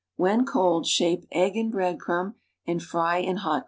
"When cold, shape, cgg and brc'ad crumb, and fry in hot